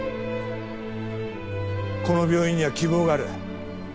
この病院には希望がある。